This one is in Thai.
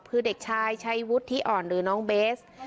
คือเด็กชายชัยวุฒิอ่อนหรือน้องเบส